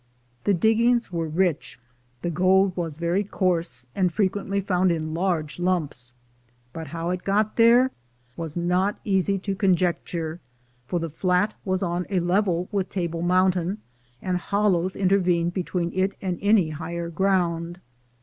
The diggings were rich. The gold was very coarse, and frequently found in large lumps; but how it got there was not easy to conjecture, for the flat was on a level with Table Mountain, and hollows intervened between it and any higher ground.